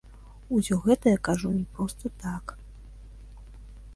Усё гэта я кажу не проста так.